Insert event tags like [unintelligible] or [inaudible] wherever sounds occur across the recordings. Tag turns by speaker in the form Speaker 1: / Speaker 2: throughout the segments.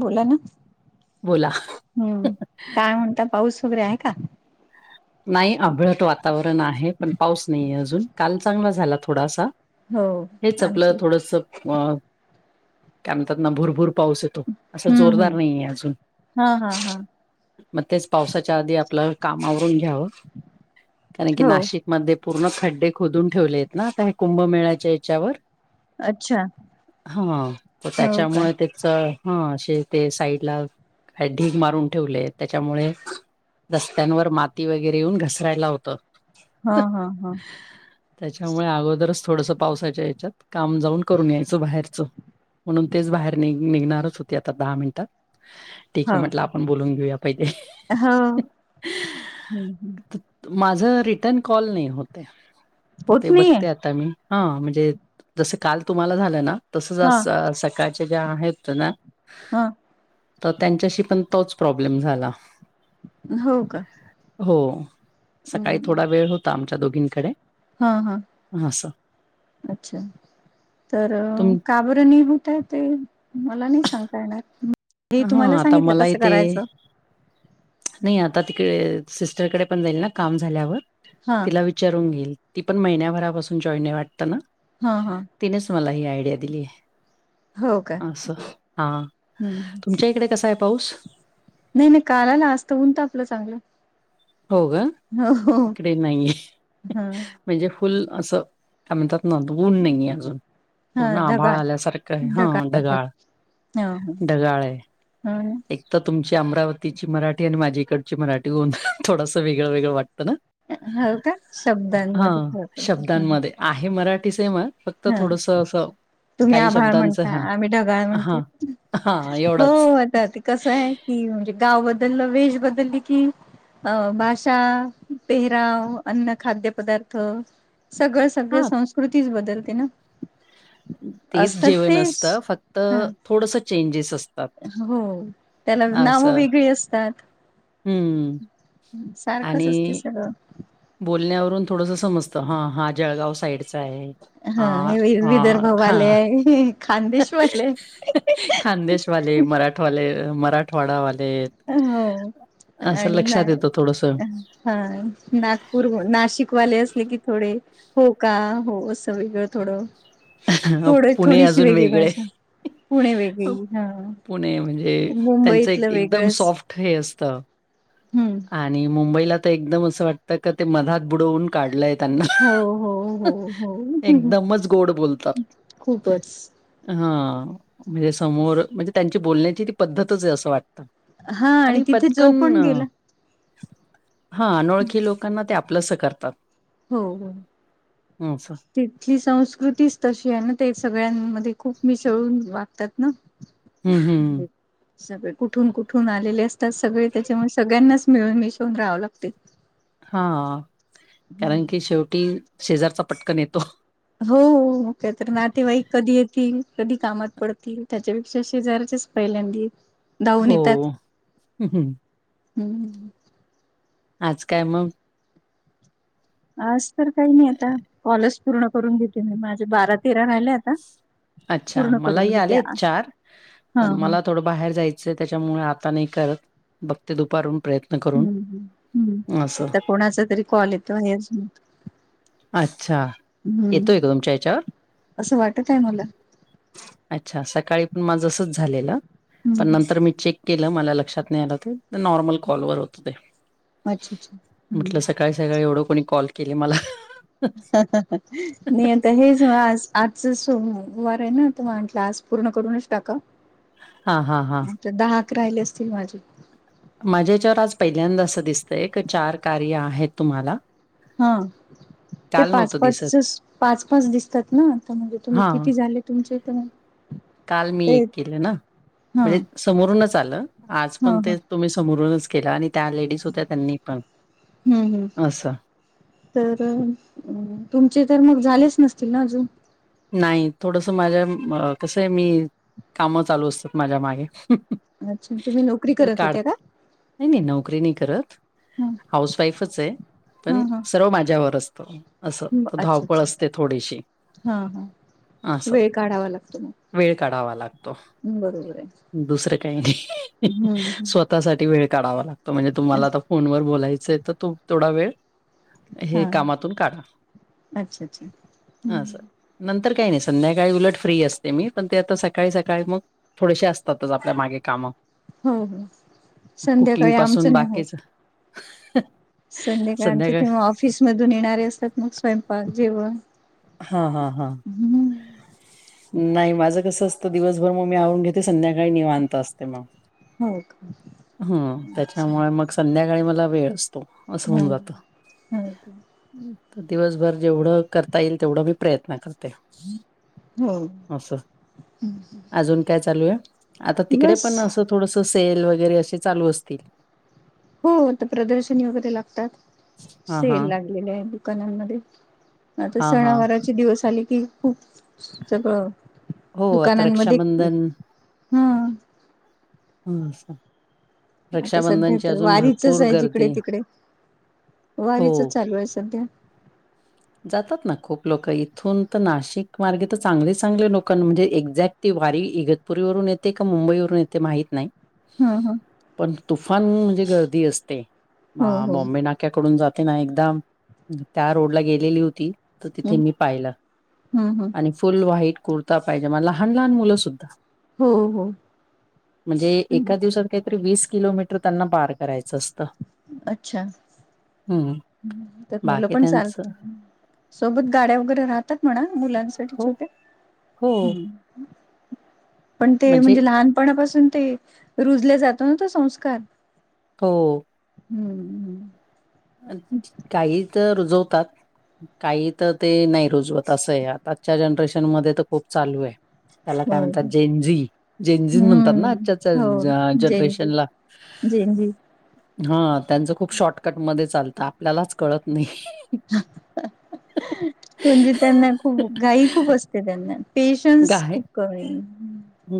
Speaker 1: बोला ना
Speaker 2: बोला
Speaker 1: हम्म काय म्हणता पाऊस वगरे आहे का
Speaker 2: नाही आभळट वातावरण आहे पण पाऊस नाहीये अजून काल चांगला झाला थोडासा
Speaker 1: हो
Speaker 2: हेच आपल्या
Speaker 1: आमचे
Speaker 2: थोडस अ काय म्हणतात ना भुरभूर पाऊस येतो. असं
Speaker 1: हम्म हम्म
Speaker 2: जोरदार नाही आहे अजून.
Speaker 1: हा हा हा
Speaker 2: मग तेच पावसाच्या आधी आपलं कामावरून घ्यावं कारण की
Speaker 1: हो
Speaker 2: नाशिक. मध्ये पूर्ण खड्डे खोदून ठेवले आहेत ना आता हे कुंभमेळ्याच्या याच्यावर.
Speaker 1: अच्छा
Speaker 2: हा प
Speaker 1: हो का
Speaker 2: त्याच्यामुळे ते. हा असे ते साईड ला का ढीग मारून ठेवले त्याच्यामुळे रस्त्यांवर माती वगैरे येऊन घसरायला होतं.
Speaker 1: हा हा हा.
Speaker 2: त्याच्यामुळे अगोदरच थोडस पावसाच्या या्याच्यात काम जाऊन करून यायचं बाहेरचं. म्हणून तेच बाहेर नि निघणारच होते आता दहा मिनिटात. ठीक आहे म्हटलं आपण बोलून घेऊया पाहिजे.
Speaker 1: हा हम् हम्.
Speaker 2: माझ रिटर्न कॉल नाही होत तर
Speaker 1: होत
Speaker 2: ते
Speaker 1: नाहीये
Speaker 2: बघते आता मी हा म्हणजे जसं काल तुम्हाला झालं ना
Speaker 1: हा
Speaker 2: तसंच सकाळच्या ज्या आहेत ना
Speaker 1: हा
Speaker 2: तर त्यांच्याशी पण तोच प्रॉब्लेम झाला.
Speaker 1: हो का.
Speaker 2: हो सकाळी
Speaker 1: हम्म
Speaker 2: थोडा वेळ होता आमच्या दोघींकडे.
Speaker 1: हा हा
Speaker 2: असं
Speaker 1: अच्छा तर
Speaker 2: तुम
Speaker 1: काबरणी होत आहेत. ते मला नाही सांगता येणार हे तुम्हाला
Speaker 2: हां, आता
Speaker 1: सांगितलं
Speaker 2: मलाही
Speaker 1: कसं
Speaker 2: ते
Speaker 1: करायचं.
Speaker 2: नाही आता तिकडे सिस्टरकडे पण जाईल ना काम झाल्यावर
Speaker 1: हा
Speaker 2: तिलाच. रून घईल ती पण महि्याभरापासून जॉईन नाही वाटत ना.
Speaker 1: हा हा.
Speaker 2: तिनेच मला ही आयडिया दिली आहे.
Speaker 1: हो का
Speaker 2: असं हां,
Speaker 1: हम्.
Speaker 2: तुमच्या इकडे कसा आहे पाऊस.
Speaker 1: नाही नाही कालाला असतं होऊन तर आपलं चांगलं.
Speaker 2: हो ग
Speaker 1: हो हो
Speaker 2: इकडे नाहीे
Speaker 1: हा
Speaker 2: म्हणजे फुल असं. काय म्हणतात ना गुण नाहीे अजून
Speaker 1: हा
Speaker 2: पूर्ण आभाळ
Speaker 1: ढगाळ
Speaker 2: आल्यासारखं आहे हा ढगाळ. ढगाळे.
Speaker 1: हम्म.
Speaker 2: एक तर तुमची अमरावतीची मराठी आणि माझ्या इकडची मराठी होन थोडसं वेगळं वेगळं वाटतं ना.
Speaker 1: ह का शब्दांमध्ये
Speaker 2: हां,
Speaker 1: फरडत.
Speaker 2: शब्दांमध्ये आहे मराठी से मग फक्त थोडस असं.
Speaker 1: तुम्ही
Speaker 2: काही
Speaker 1: आभाळ
Speaker 2: शब्दांचं
Speaker 1: म्हणता
Speaker 2: हां,
Speaker 1: आम्ही ढगाळ म्हणतो
Speaker 2: हां, हां, एवढाच.
Speaker 1: हो. ते कसं आहे, की म्हणजे गाव बदललं वेश बदलली की अ -भाषा, पेहराव, अन्न, खाद्य पदार्थ सगळं सगळ
Speaker 2: हां,
Speaker 1: संस्कृतीच बदलते ना.
Speaker 2: तेच
Speaker 1: असतात
Speaker 2: जेवण
Speaker 1: तेच,
Speaker 2: असतं फक्त
Speaker 1: ह
Speaker 2: थोडंसं चेंजेस असतात
Speaker 1: हो. त्याला नावं
Speaker 2: असं.
Speaker 1: वेगळी असतात.
Speaker 2: हं.
Speaker 1: सारखंच असते
Speaker 2: आणि
Speaker 1: सगळं.
Speaker 2: बोलण्यावरून थोडस समजतं, हा हा जळगाव साईडचा आहे.
Speaker 1: हा
Speaker 2: हां,
Speaker 1: हे वि
Speaker 2: हां,
Speaker 1: विदर्भवाले,
Speaker 2: हां.
Speaker 1: खानदेशवाले.
Speaker 2: खानदेशवाले, मराठवाले मराठवाडावाले.
Speaker 1: हो
Speaker 2: असं
Speaker 1: आणि
Speaker 2: लक्षात
Speaker 1: नाही
Speaker 2: येतो थोडस.
Speaker 1: हा नागपूर, नाशिकवाले असले की थोडे हो का हो, असं वेगळं थोडं थोड
Speaker 2: पुणे
Speaker 1: थोडीशी
Speaker 2: अजून
Speaker 1: वेगळी
Speaker 2: वेगळे.
Speaker 1: भाषा पुणे वेगळी हा
Speaker 2: पुणे म्हणजे, त्यांचं
Speaker 1: मुंबईतलं
Speaker 2: एक एकदम
Speaker 1: वेगळंच
Speaker 2: सॉफ्ट हे असतं
Speaker 1: हम्म.
Speaker 2: आणि मुंबईला तर एकदम असं वाटतं का ते मधात बुडवून काढलय त्यांना.
Speaker 1: हो हो हो हो
Speaker 2: एकदमच गोड बोलतात.
Speaker 1: खूपच
Speaker 2: हा म्हणजे समोर, म्हणजे त्यांची बोलण्याची ती पद्धतच आहे असं वाट
Speaker 1: हा
Speaker 2: आणि
Speaker 1: तिथे जो
Speaker 2: पटकन
Speaker 1: पण गेला
Speaker 2: हा, अनोळखी लोकांना ते आपलंस करतात.
Speaker 1: हो हो.
Speaker 2: हं असं.
Speaker 1: तिथली संस्कृतीच तशी आहे ना ते, सगळ्यांमध्ये खूप मिसळून वागतात ना.
Speaker 2: हम्म हम्म.
Speaker 1: सगळे कुठून कुठून आलेले असतात सगळे त्याच्यामुळे सगळ्यांनाच मिळून मिसळून राहावं लागतय.
Speaker 2: हा. कारण की शेवटी शेजारचा पटकन येतो.
Speaker 1: हो का तर नातेवाईक कधी येतील, कधी कामात पडतील. त्याच्यापेक्षा शेजारचेच पहिल्यांदी धावून
Speaker 2: हो.
Speaker 1: येतात.
Speaker 2: हं, हं.
Speaker 1: हम्
Speaker 2: आज काय मग?
Speaker 1: आज तर काय मी आता, कॉलच पूर्ण करून घेते मी. माझे बारा तेरा राहिल्यात.
Speaker 2: अच्छा मलाही आलेत
Speaker 1: हा
Speaker 2: चार,
Speaker 1: हा
Speaker 2: पण
Speaker 1: हम्म
Speaker 2: मला थोड बाहेर जायचंय, त्याच्यामुळे आता नाही करत. बघते दुपारून प्रयत्
Speaker 1: हम्म हम्म, आता कोणाचा तरी कॉल येतो [unintelligible]
Speaker 2: अच्छा
Speaker 1: हम्म
Speaker 2: येतोय का तुमच्या हेच्यावर?
Speaker 1: असं वाटत आहे मला
Speaker 2: अच्छा सकाळी पण माझसच झालेलं. पण
Speaker 1: हम्म
Speaker 2: नंतर मी चेक केलं मला लक्षात नाही आलं ते. नॉर्मल कॉलवर होत ते.
Speaker 1: अच्छा अच्छा हम्म
Speaker 2: म्हटलं सकाळी सकाळी एवढं कोणी कॉल केले मला.
Speaker 1: नई आता हेच आज आजच सोमवार आहे ना, त म्हटलं आज पूर्ण करूनच टाकाव.
Speaker 2: हा हा हा.
Speaker 1: दहाक राहिले असतील माझे.
Speaker 2: माझ्याहेच्यावर आज पहिल्यांदा असं दिसतय, की चार कार्य आहेत तुम्हाला.
Speaker 1: हा ते
Speaker 2: काल
Speaker 1: पाच
Speaker 2: नव्हतं दिसत
Speaker 1: पाचसच पाच पाच दिसतात ना, त्यामध्ये तुम्ही
Speaker 2: हा
Speaker 1: किती झाले तुमच्या इथ नई
Speaker 2: काल मी एक केलं ना,
Speaker 1: हा
Speaker 2: म्हणजे समोरूनच आलं. आज पण
Speaker 1: हा हा
Speaker 2: ते तुम्ही समोरूनच केला आणि त्या लेडीज होत्या त्यांनी पण.
Speaker 1: हम्म हम्
Speaker 2: असं
Speaker 1: तर, तुमचे तर मग झालेच नसतील ना अजून??
Speaker 2: नाही. थोडस माझ्या कसं आहे मी, काम चालू असतात माझ्या मागे.
Speaker 1: अच्छा, तुम्ही नोकरी करत होत्या का?
Speaker 2: काढते नाही नाही नोकरी नाही करत.
Speaker 1: ह
Speaker 2: हाऊस वाईफच आहे
Speaker 1: हा
Speaker 2: पण
Speaker 1: हा
Speaker 2: सर्व माझ्यावर असत. असं तर
Speaker 1: अच्छा
Speaker 2: धावपळ
Speaker 1: अच्छा
Speaker 2: असते थोडीशी.
Speaker 1: हा हा
Speaker 2: असं
Speaker 1: वेळ काढावा लागतो मग.
Speaker 2: वेळ काढावा लागतो
Speaker 1: बरोबर आहे
Speaker 2: दुसरं काही नाही
Speaker 1: हम्म
Speaker 2: स्वतः तासाठी वेळ काढावा लागतो म्हणजे तुम्हाला आता फोन वर बोलायचंय तर थोडा वेळ. हे
Speaker 1: हा
Speaker 2: कामातून काढा,
Speaker 1: अच्छा अच्छा
Speaker 2: अस. नंतर काही नाही संध्याकाळी उलट फ्री असते मी पण ते आता सकाळी-सकाळी मग. थोडेसे असतातच आपल्या मागे कामं.
Speaker 1: हो हो
Speaker 2: [inaudible] कुकिंग
Speaker 1: संध्याकाळी
Speaker 2: पासून
Speaker 1: आमचं
Speaker 2: बाकीच. [unintelligible]
Speaker 1: संध्याकाळचे
Speaker 2: संध्याकाळ
Speaker 1: तेव्हा ऑफिस मधून येणारे असतात मग स्वयंपाक जेवण.
Speaker 2: हा हा हा.
Speaker 1: हम्म.
Speaker 2: नाही माझं कसं असतं दिवसभर मग मी आवरून घेते संध्याकाळी मग निवांत असते मग.
Speaker 1: हो की.
Speaker 2: हम त्याच्यामुळे मग संध्याकाळी मला वेळ असतो असं होऊन जातं.
Speaker 1: हम्म.
Speaker 2: तर दिवसभर जेवढं करता येईल तेवढा मी प्रयत्न करते.
Speaker 1: हो
Speaker 2: अस, अजून काय चालू आहे? आता तिकडे
Speaker 1: बस
Speaker 2: पण अस. थोडस सेल वगैरे असे चालू असतील.
Speaker 1: हो येथे प्रदर्शनी वगैरे लागतात.
Speaker 2: हा हा
Speaker 1: सेल लागलेले आहे दुकानांमध्ये आता
Speaker 2: हा हा.
Speaker 1: सणावार. दिवस आले की खूप सगळं
Speaker 2: हो आता
Speaker 1: दुकानांमध्ये.
Speaker 2: रक्षाबंधन
Speaker 1: हम्म.
Speaker 2: हम्म असं.
Speaker 1: आता सध्या
Speaker 2: रक्षाबंधनची
Speaker 1: तर
Speaker 2: अजून
Speaker 1: वारीचच
Speaker 2: भरपूर
Speaker 1: आहे
Speaker 2: गर्दी
Speaker 1: जिकडे-तिकडे.
Speaker 2: हो.
Speaker 1: वारीचच चालू आहे सध्या.
Speaker 2: जातात ना खूप लोक इथून तर नाशिक मार्गे तर चांगले चांगले लोक म्हणजे एक्झॅक्ट. ती वारी इगतपुरीवरून येते का मुंबईवरून येते माहीित नाही.
Speaker 1: हा हा.
Speaker 2: पण तुफान म्हणजे गर्दी असते
Speaker 1: हो
Speaker 2: हा
Speaker 1: हो
Speaker 2: बॉम्बे ना. तिकडून जाते ना एकदाम त्या रोडला गेलेली होती. तर
Speaker 1: ह
Speaker 2: तिथे मी पाहिलं,
Speaker 1: ह
Speaker 2: आणि फुल व्हाईट कुर्ता पाहिजे मग लहान-लहान मुलं सुुद्धा.
Speaker 1: हो हो
Speaker 2: [inaudible] म्हणजे एका दिवसा काहीतरी वीस किलोमीटर त्यांना पार करायचं असतं.
Speaker 1: अच्छा!
Speaker 2: हम्म.
Speaker 1: मुलं पण चालत सोबत गाड्या वगैरे राहतात म्हणा मुलांच.
Speaker 2: हो
Speaker 1: छोटे
Speaker 2: हो
Speaker 1: हम्म. पण ते म्हणजे लहानपणापासून ते रुजले जातो ना ते संस्कार.
Speaker 2: हो.
Speaker 1: हम्म हम्म.
Speaker 2: अच्छा, काही तर रुजवतात. काही तर ते नाही रुजवत असं आहे आताच्या जनरेशन मध्ये तर खूप चालू आहे. त्याला
Speaker 1: हो
Speaker 2: काय म्हणतात जेंझी, जेंझी म्हणतात ना
Speaker 1: हम्म
Speaker 2: आजच्याच्या जनरेशनला.
Speaker 1: जेंझी.
Speaker 2: हा त्यांचं खूप शॉर्टकट मध्ये चालतं आपल्यालाच कळत नाही.
Speaker 1: म्हणजे त्यांना खूप घाई खूप असते त्यांना. पेशन्स
Speaker 2: गाय
Speaker 1: खूप कमी.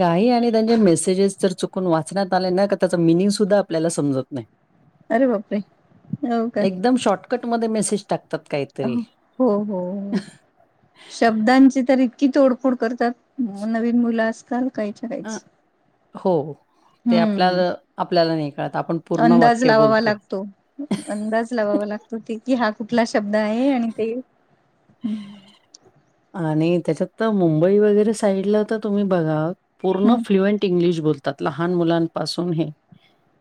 Speaker 2: गाई आणि त्यांचे मेसेजेस जर चुकून वाचण्यात आले ना त्याच मिनिंग सुद्धा आपल्याला समजत नाही.
Speaker 1: अरे बापरे हो
Speaker 2: [inaudible]
Speaker 1: का
Speaker 2: एकदम शॉर्टकट मध्ये मेसेज टाकत
Speaker 1: अ हो हो हो. शब्दांची तर इतकी तोडफोड करतात नवीन मुलं आजकाल काहीच्या
Speaker 2: अ
Speaker 1: काहीच
Speaker 2: हो ते
Speaker 1: हम्म
Speaker 2: आपल्याला आपल्याला नाही कळत आपण पूर्ण
Speaker 1: अंदाज
Speaker 2: वाक्य
Speaker 1: लावावा
Speaker 2: बोलतो.
Speaker 1: लागतो. अंदाज लावावा लागतो ते कि हा कुठला शब्द आहे आणि ते
Speaker 2: आणि त्याच्यात तर मुंबई वगैरे साईडला त तुम्ही बघा पूर्ण फ्ल्युएंट इंग्लिश बोल त्यात लहान मुलांपासून हे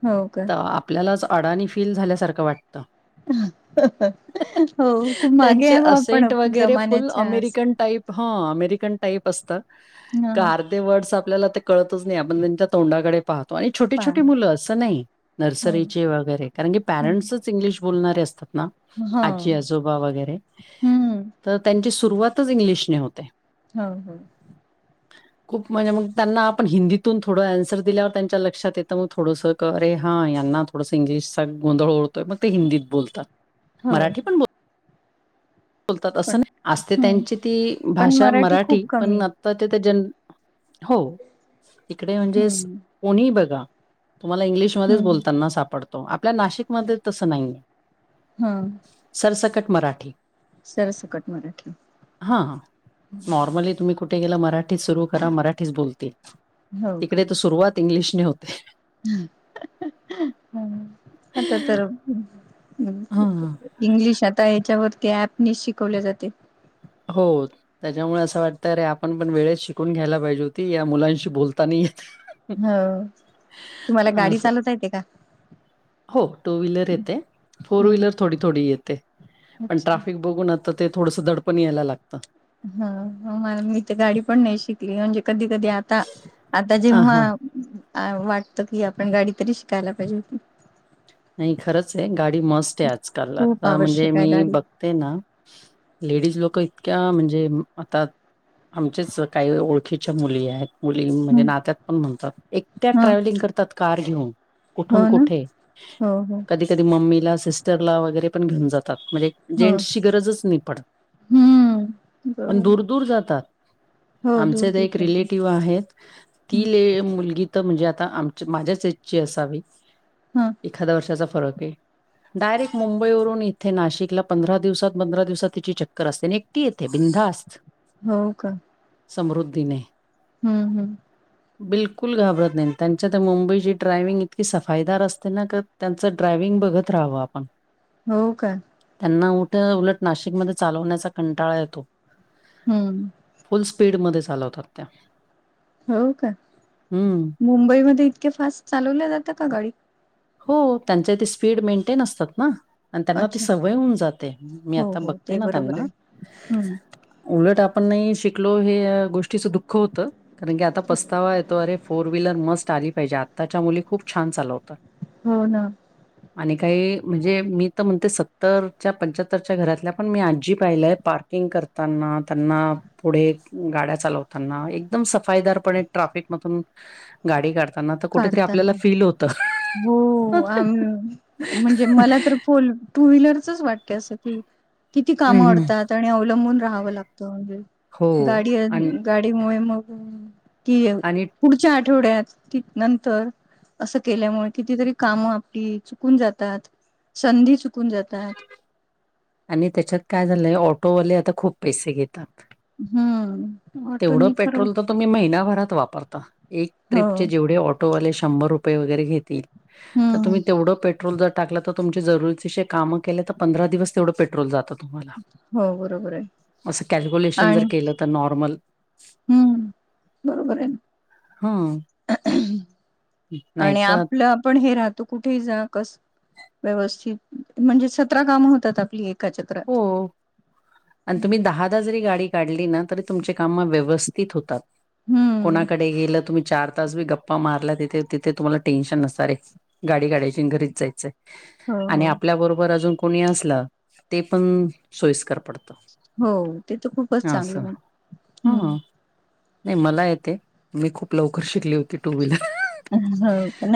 Speaker 1: हो का
Speaker 2: त आप आपल्यालाच अडाणी फील झाल्यासारखं वाटतं.
Speaker 1: हो खूप मागे
Speaker 2: त्यांचे
Speaker 1: आहे बुआ
Speaker 2: असेंट
Speaker 1: आपण
Speaker 2: वगैरे फुल
Speaker 1: जमाण्याच्या असं
Speaker 2: अमेरिकन टाईप हा अमेरिकन टाईप असतात
Speaker 1: ह ह
Speaker 2: गार ते वर्डस आपल्याला ते कळतच नाय आपणच्या तोंडाकडे पाहतो आणि छोटे
Speaker 1: पा
Speaker 2: छोट मुलं अस नाही
Speaker 1: हो
Speaker 2: नर्सरीचे वगैरे कारण की पॅरें
Speaker 1: हं.
Speaker 2: चं इंग्लिश बोलणारे असतात ना
Speaker 1: हो
Speaker 2: आजी आजोबा वगैरे
Speaker 1: हम्म
Speaker 2: तर त्यांची सुरुवातच इंग्लिशने होते.
Speaker 1: हो हो
Speaker 2: खूप म्हणजे मग त्यांना आपण हिंदीतून थोडं अन्सर दिल्यावर त्यांच्या लक्षात येतं मग थोडंसं क अरे हा यांना थोडस इंग्लिश चा गोंधळ ओळतोय म ते हिंदीत बोलतात
Speaker 1: हो
Speaker 2: मराठी पण
Speaker 1: हो.
Speaker 2: बोल बोलतात असं
Speaker 1: पण
Speaker 2: नाही असते
Speaker 1: हम्म
Speaker 2: त्यांची ती
Speaker 1: पण
Speaker 2: भाषा मराठी
Speaker 1: खूप
Speaker 2: पण
Speaker 1: कमी
Speaker 2: ते जन हो इकडे म्हणजे
Speaker 1: हम्म
Speaker 2: कोणी बघा तुम्हाला इंग्लिशमध्येच
Speaker 1: हम्म
Speaker 2: बोलताना सापडतो आपल्या नाशिकमध्ये तसं नाही.
Speaker 1: हा
Speaker 2: सरसकट मराठी
Speaker 1: सरसकट मराठी
Speaker 2: हा नॉर्मली तुम्ही कुठे गेला मराठीच सुरू करा मराठीच बोलतील.
Speaker 1: हो
Speaker 2: तिकडे तर सुरुवात इंग्लिशने होते.
Speaker 1: हं आता तर
Speaker 2: हां.
Speaker 1: इंग्लिश आता याच्यावरती ऍपनी शिकवले जाते.
Speaker 2: हो. त्याच्यामुळे असं वाटतं अरे आपण पण वेळेत शिकून घ्यायला पाहिजे होती या मुलांशी बोलता नाय येत.
Speaker 1: हो तुम्हाला गाडी
Speaker 2: असं.
Speaker 1: चालता येते का?
Speaker 2: हो टू व्हीलर येते फोर
Speaker 1: हम्म
Speaker 2: व्हीलर थोडी थोडी येते पण
Speaker 1: अच्छा
Speaker 2: ट्राफिक बघूनचं त ते थोडंसं दडपण यायला लागतं.
Speaker 1: हा म मी तर गाडी पण नाही शिकली म्हणजे कधी कधी आता आता
Speaker 2: आ
Speaker 1: जेव्हा
Speaker 2: हां.
Speaker 1: आ वाटत की आपण गाडी तरी शिकायला पाहिजे.
Speaker 2: नाही खरंच आहे गाडी मस्ट आहे आजकाल
Speaker 1: खूप
Speaker 2: आता म्हणजे
Speaker 1: आवश्यक आहे
Speaker 2: मी
Speaker 1: गाडी
Speaker 2: बघते ना. लेडीज लोक इतक्या म्हणजे आता. आमचेच काही ओळखीच्या मुली आहेत. मुली
Speaker 1: ह
Speaker 2: म्हणजे नात्यात पण म्हणतात एकट्या
Speaker 1: ह
Speaker 2: ट्रॅव्हलिंग करतात कार घेऊन
Speaker 1: हो
Speaker 2: कुठून
Speaker 1: ना
Speaker 2: कुठे
Speaker 1: हो हो.
Speaker 2: कधी कधी मम्मीला सिस्टरला वगैरे पण घेऊन जातात म्हणजे.
Speaker 1: हो
Speaker 2: जेंट्सची गरजच नाही पडत
Speaker 1: हम्म
Speaker 2: पण
Speaker 1: बरोबर आहे
Speaker 2: दूर दूर जातात.
Speaker 1: हो दूर
Speaker 2: आमचे त
Speaker 1: दूर
Speaker 2: एक
Speaker 1: जात
Speaker 2: रिलेटिव्ह आहेत. ती ले मुलगी तर म्हणजे आता आमच्या माझ्याच एजची असावी.
Speaker 1: हं
Speaker 2: एखाद वर्षाचा फरक आहे. डायरेक्ट मुंबई वरून इथे नाशिकला पंधरा दिवसात पंधरा दिवसात तिची चक्कर असते अनं एकटी येथे बिनधास्त.
Speaker 1: हो का.
Speaker 2: समृद्धीने
Speaker 1: हम्म हम्म
Speaker 2: बिलकुल घाबरत नाही त्यांच्या तर मुंबईची ड्रायविंग इतकी सफाईदार अस त्यां त त्यांचं ड्रायविग बघत राहावं आपण
Speaker 1: हो का
Speaker 2: त्यांना उठं उलट नाशिकमध्ये चालवण्याचा कंटाळा येतो
Speaker 1: हम्म
Speaker 2: फुल स्पीडमध्ये चालवतात त्या.
Speaker 1: हो का
Speaker 2: हम्म.
Speaker 1: मुंबईमध्ये इतके फास्ट चालवल्या जातं का गाडी
Speaker 2: हो त्यांच्या तेे स्पीड मेंटेन असतात ना. आणि त्यांना ती
Speaker 1: अच्छा
Speaker 2: सवय होऊन जाते मी
Speaker 1: हो
Speaker 2: आता
Speaker 1: हो
Speaker 2: बघते
Speaker 1: ते
Speaker 2: ना
Speaker 1: बरोबर
Speaker 2: त्यांना
Speaker 1: आहे हम्म
Speaker 2: उलट आपण नाही शिकलो हे गोष्टीचं दुःख होतं कारण की आता पस्तावा येतो अरे फोन फोर व्हीलर मस्ट आली पाहिजे आताच्या मुली खूप छान चालवत.
Speaker 1: हो ना
Speaker 2: आणि काही म्हणजे मी तर म्हणते सत्तरच्या पंच्याहत्तरच्या घरातल्या पण मी आजी पाहिलंय पार्क करताना त्यांना पुढे गाड्या चालवताना एकदम सफाईदार ट्राफिक मधून गाडी काढताना तर कुठेतरी आपल्याला
Speaker 1: काढताना
Speaker 2: फील होत.
Speaker 1: हो आ म्हणजे मला तर फोल टू व्हीलरचच वाटते असं कि किती कामं
Speaker 2: हम्म, हम्म.
Speaker 1: अडतात आणि अवलंबून राहावं लागतं म्हणजे.
Speaker 2: हो
Speaker 1: गाडी
Speaker 2: आणि
Speaker 1: गाडीमुळे मग कि
Speaker 2: आणि
Speaker 1: पुढच्या आठवड्यात क नंतर असं केल्यामुळे कितीतरी कामं आपली चुकून जातात. संधी चुकून जातात
Speaker 2: आणि त्याच्यात काय झालंय ऑटोवाले आता खूप पैसे घेतात
Speaker 1: हम्म आ तो
Speaker 2: तेवढं
Speaker 1: नाही करू
Speaker 2: पेट्रोल तर तुम्ही महिनाभरात वापरता एक
Speaker 1: हो
Speaker 2: ट्रिपचे जेवढे ऑटोवाले शंभर रुपये वगैरे घेतील तर
Speaker 1: हम्म
Speaker 2: तुम्ही तेवढं पेट्रोल जर टाकलं तर तुमची जरुरीती कामं केलं तर पंधरा दिवस तेवढ पेट्रोल जात
Speaker 1: हो बरोबर आहे
Speaker 2: अस कॅल्कुलेशन जर
Speaker 1: आणि
Speaker 2: केलं तर नॉर्मल
Speaker 1: हम्म बरोबर आहे
Speaker 2: हा नाही
Speaker 1: आणि
Speaker 2: तर
Speaker 1: आपलं आपण हे राहतो कुठे जा कस व्यवस्थित म्हणजे सतरा काम होतात आपली एका चक्रात.
Speaker 2: हो आणि तुम्ही दहा द जरी गाडी काढली ना जर तुमचे काम व्यवस्थित होतात.
Speaker 1: हम्म.
Speaker 2: आताच बी गप्पा मारला तिथे तथे तुम्हाला टेन्शन नसणार रे गाडी गाड्याची घरीच जायचंय
Speaker 1: हो
Speaker 2: आणि
Speaker 1: हो.
Speaker 2: आपल्याबरोबर अजून कोणी असला ते पण सोयस्कर पडत
Speaker 1: हो ते तर खूपच चांगलं हम्
Speaker 2: हं नाही मला येते मी खूप लवकर शिकली होती टू व्हीलर
Speaker 1: ह हो नाही